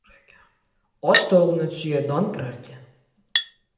• Och tovuqning tushiga don kirarkan.